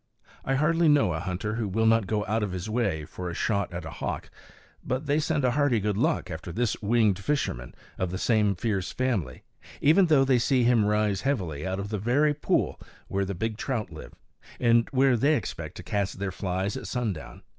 I hardly know a hunter who will not go out of his way for a shot at a hawk; but they send a hearty good luck after this winged fisherman of the same fierce family, even though they see him rising heavily out of the very pool where the big trout live, and where they expect to cast their flies at sundown.